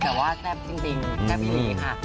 แต่ว่าแซ่บจริงแซ่บอิลีค่ะ